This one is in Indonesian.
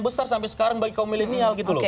besar sampai sekarang bagi kaum milenial